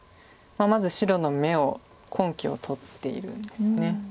まず白の眼を根拠を取っているんです。